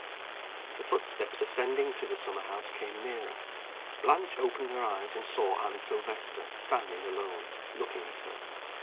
The footsteps ascending to the summer house came nearer. Blanche opened her eyes, and saw Anne Silvester, standing alone, looking at her.